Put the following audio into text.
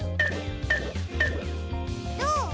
どう？